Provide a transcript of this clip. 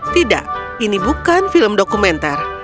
tidak ini bukan film dokumenter